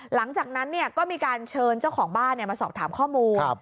หลังจากนั้นก็มีการเชิญเจ้าของบ้านมาสอบถามข้อมูล